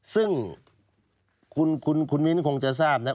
ซึ่งคุณมินคงจะทราบนะ